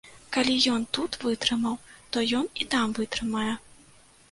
Калі ён тут вытрымаў, то ён і там вытрымае.